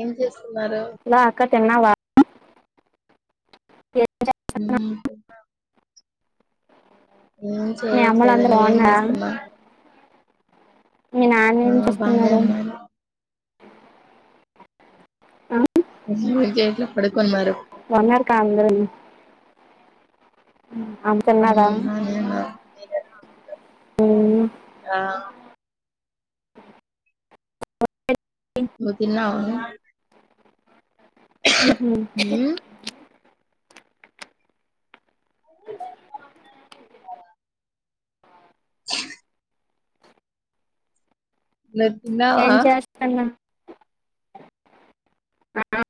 ఏం చేస్ హలో అక్క తిన్నావా? లే తిన్నాం. ఏం మీ అమ్మలు చేయట్లేదే అందరు నువ్వేం బాగున్నారా చేస్తున్నావ్ మీ నాన్న ఆ ఏం బానే చేస్తున్నాడే ఉన్నాను. ఆ, ఎక్కడ కొన్నరు? బాగున్నారు కా అందరూ అమ్మ తిన్నారా మ్ ఆనియన్గా ఉమ్, ఆ ను తిన్నావా? మ్ హ్ హ్మ్ మీ ఎర్ఫోన్స్ [inaudible] హె నువ్ తిన్నావా? ఏం చేస్తున్నా ఆ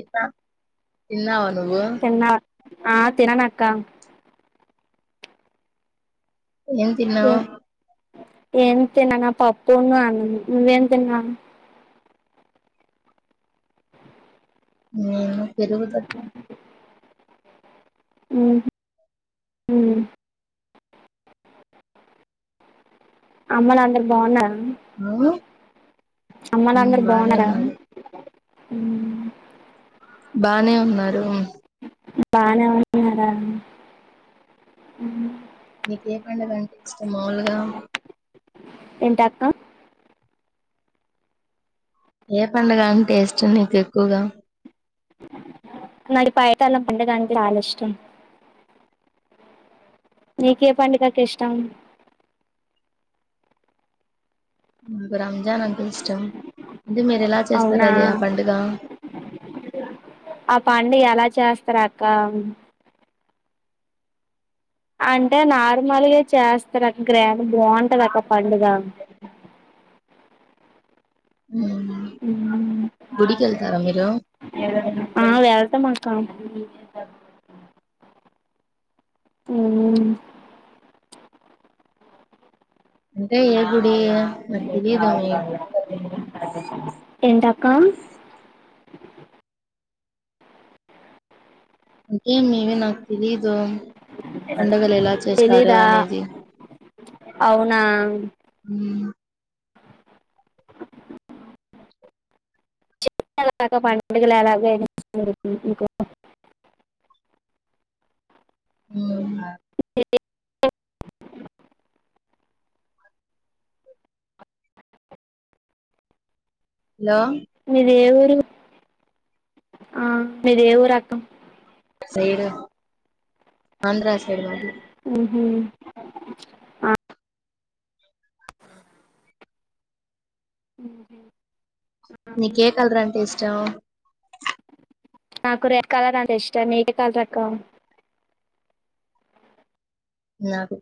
ఇఫ తిన్నావా నువ్వు? తిన్నా ఆ తినను అక్క ఏం తిన్నావు? ఏ- ఏం తిననా పప్పు అన్నం నువ్వేం తిన్నావ్? మ్ ఎరువుల్లో మ్ అ అమ్మలు అందరు బావున్నారు చట్నీ అమ్మ హ్మ్ నాన్నర బానే బావున్నారా? ఉన్నారు. అ బానే ఉన్నారు బానే ఉన్నారా? నీకే పండుగ అంటే ఇష్టం మాములుగా? ఎంట అక్క? ఏ పండగ అంట టేస్ట్ నీకు ఎక్కువగా? నడి పయటలా పండగ అంటే చాల ఇష్టం నీకే పండుగకి ఇష్టం మ రంజాన్ అంటే ఇష్టం అంటే మీరు ఎలా చేస్తారు అవునా అది ఆ పండుగ? ఆ పండేగ ఏల రకామ్ అంటే నార్మల్గా చేస్తారు అక్క గ్రాండ్ బావుంటది అక్క పండుగ మ్మ్ మ్ గుడికెళ్తారా మీరు ఆ వే త మాకా అ అంటే ఏ గుడి నాకు తెలీదు మీ పండుగలు ఎంత కా ఏమి ఇవి నాకు తెలీదు పండుగలు ఎలా చేస్తారు తెలీదా? అనేది అవునా మ్మ్ చే ఎలాగా పండుగలు ఎలాగ అ ఉహ అ హలో మీది ఏ ఊరు ఆ మీది ఏ ఊరు అక్క? సైడ్ ఆంధ్ర సైడ్ మాది ఉమ్ ఆ అ నీకు ఏ కలర్ అంటే ఇష్టం? నాకు రెడ్ కలర్ అంటే ఇష్టం నీకు ఏ కలర్ అక్క నాకు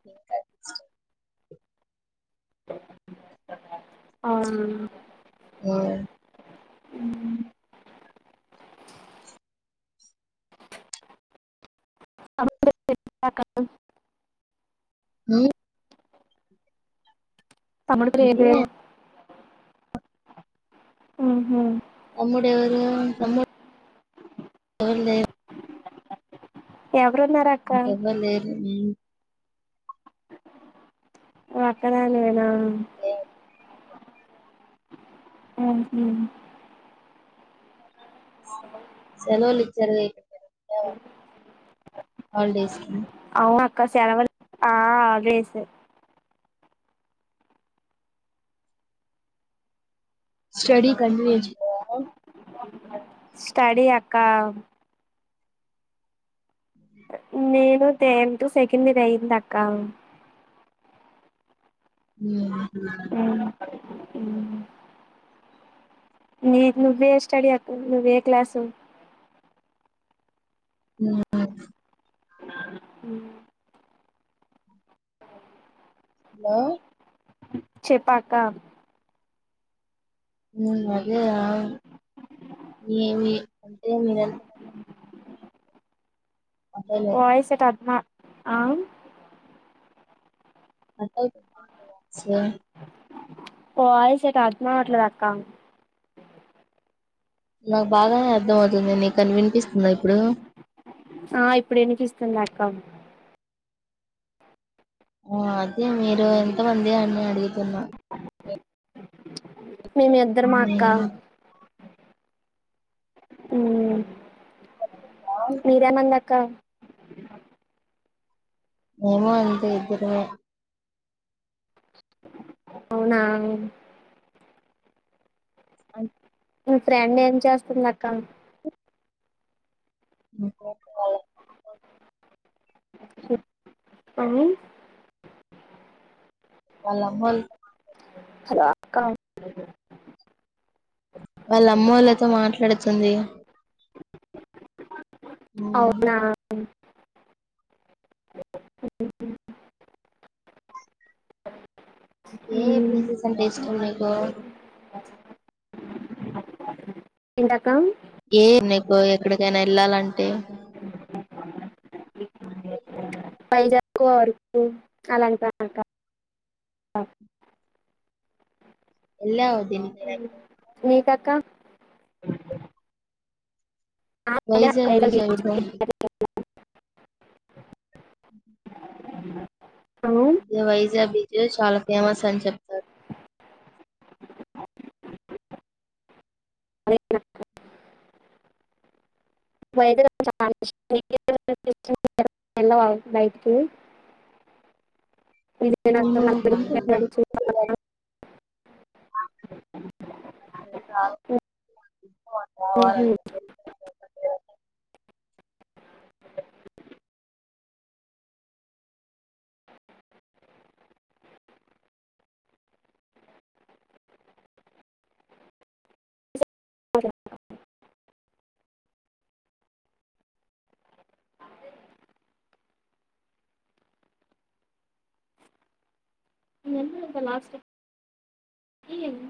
అ యుఎన్. ఉమ్. పడుతుంటే తిప్పలు. ఉమ్. తమ్ముడు పెళ్లి ఏం అంటే చేయన్. ఉహూ. తమ్ముడు [unintelligible] తమ్ముడు. ఏం లేదు. యా. ఎవ్వరు లేరు ఉమ్. అక్కడ నేనా. ఆహ్ ఉహూ. సెలవులు ఇచ్చారుగా ఈ హాలిడేస్ కి. అవును అక్క సెలవులు ఆహ్ అదే స. స్టడీ కంటిన్యూ చేయాలి. స్టడీ అక్క. నేను దీంతో సెకండ్ ఇయర్ అయ్యంది అక్క. ఉమ్ ఉహూ. ఉమ్. నీకు నువ్వే స్టడీ అకు నువ్వే క్లాసు. ఉమ్. ఆహ్. హలో. చెప్పాక్క. ఉమ్ అదే అంటే నిర ఏం లేదు. అట్టలేదు వాయిస్ ఎట్ అదినా ఆహ్. అట్టాచ్చ సరే. వాయిస్ నాకు అర్థం అవ్వట్లేదు అక్క. నాకు బాగానే అర్థ అవుతుంది నీకు అది వినిపిస్తుందా ఇప్పుడు. ఆహ్ ఇప్పుడు వినిపిస్తుందాక్క. ఆహ్ అదే మీరు ఎంతమంది అని అడుగుతున్నా. మేమిద్దరము అక్క. ఉమ్. ఉమ్ మీరేమంది అక్క. మేమా అండి ఇద్దరమే. అవునా. ఉమ్. మీ ఫ్రెండ్ ఏం చేస్తుంది అక్క. ఆహ్ వాళ్లకు. ఏమైంది. వాళ్లమ్మోలు. Hello act. వాళ్ళ అమ్మెళ్ళతో మాట్లాడుతుంది. అవునా. ఉమ్. అంటే మ్మ్. పీసెస్ అంటె ఇష్టం లేక ఎంటక్కా ఏ నీకు ఎక్కడికైన వెళ్ళాలంటే అ ఎక్కువ వరకు అలాంటంట ఎల్లా ఉమ్ మీ కక్క ఆ వైజాగ్ బీచ్ [unintelligible] అడుగు ఉహు అ అదే వైజాగ్ బీచ్ చాల ఫేమస్ అని చెప్తారు అరే హైదరాబాద్ చాలా ఇష్టం ఎల్లాల బయటికి [unintelligible] విజయనగరం అలా వెళ్ళి చూడొచ్చు. పడిపోతే ఎలా [unintelligible] ఏ రాలే ఉహు సరే ఎల్లినం కద లాస్ట్ టైం తెలియద